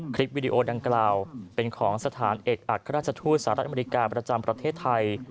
คลิปวิดีโอดังกล่าวเป็นของสถานเอกอัครราชทูตสหรัฐอเมริกาประจำประเทศไทย